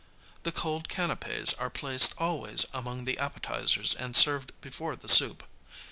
The cold canapķs are placed always among the appetizers and served before the soup.